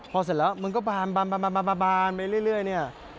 พอเสร็จแล้วมันก็บานไปเรื่อยเนี่ย